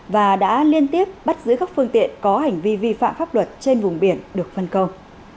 và đã liên tiếp bắt giữ các phương tiện có hành vi vi phạm pháp luật trên vùng biển được phân công